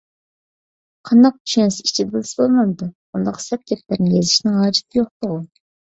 قانداق چۈشەنسە ئىچىدە بىلسە بولمامدۇ؟ ئۇنداق سەت گەپلەرنى يېزىشنىڭ ھاجىتى يوقتىغۇ؟